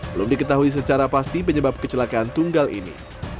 belum diketahui secara pasti penyebab kecelakaan tunggal ini